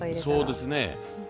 そうですね。